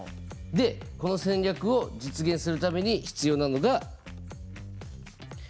でこの戦略を実現するために必要なのがＫＰＩ。